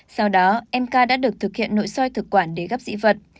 sau đó em ca đã được thực hiện nội soi thực quản để gấp dị vật